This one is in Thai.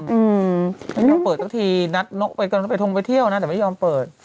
คุณหมายง่ายนัทกนักเปิดตรงเป็นเที่ยวนะแต่ไม่ยอมเปิด